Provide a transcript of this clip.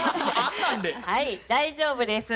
はい大丈夫です。